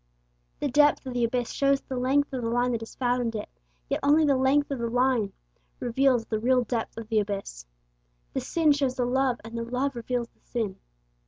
The depth of the abyss shows the length of the line that has fathomed it, yet only the length of the line reveals the real depth of the abyss. The sin shows the love, and the love reveals the sin.